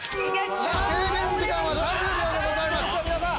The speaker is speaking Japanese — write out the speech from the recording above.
制限時間は３０秒でございます。